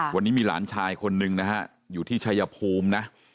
วันนี้มีหลานชายคนหนึ่งนะฮะอยู่ที่ชายภูมินะ